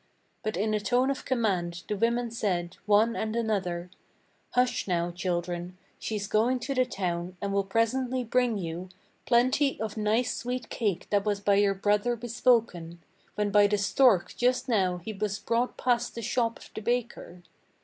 But in a tone of command the women said, one and another: "Hush now, children, she's going to the town, and will presently bring you Plenty of nice sweet cake that was by your brother bespoken When by the stork just now he was brought past the shop of the baker.